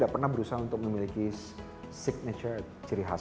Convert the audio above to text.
tidak pernah berusaha untuk memiliki signature ciri khas